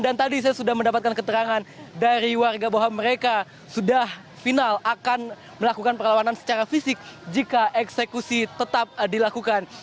dan tadi saya sudah mendapatkan keterangan dari warga bahwa mereka sudah final akan melakukan perlawanan secara fisik jika eksekusi tetap dilakukan